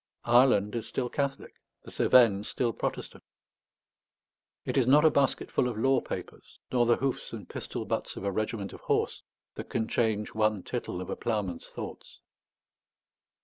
Ireland is still Catholic; the Cevennes still Protestant. It is not a basketful of law papers, nor the hoofs and pistol butts of a regiment of horse, that can change one tittle of a ploughman's thoughts.